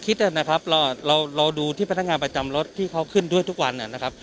คิดนะครับเราเราดูที่พนักงานประจำรถที่เขาขึ้นด้วยทุกวันนะครับ